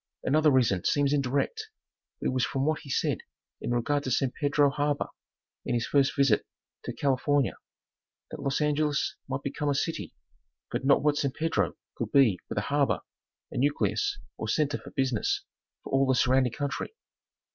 Another reason seems indirect, but it was from what he said in regard to San Pedro Harbor in his first visit to California, that Los Angeles might become a city, but not what San Pedro could be with a harbor, a nucleous or center for business for all the surrounding country.